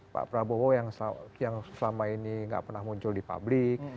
pak prabowo yang selama ini nggak pernah muncul di publik